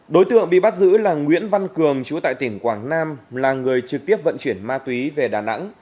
đối tượng bị bắt giữ là nguyễn văn cường chú tại tỉnh quảng nam là người trực tiếp vận chuyển ma túy về đà nẵng